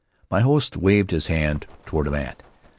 My host waved his hand toward a mat.